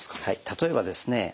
例えばですね